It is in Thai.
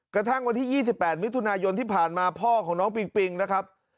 กระทั่งวันที่๒๘มิถุนายนที่ผ่านมาพ่อของน้องปิงปิงนะครับ